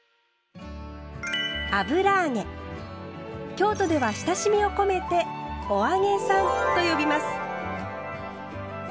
京都では親しみを込めて「お揚げさん」と呼びます。